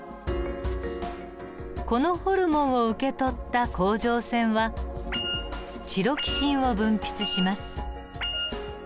このホルモンを受け取った甲状腺はチロキシンを分泌します。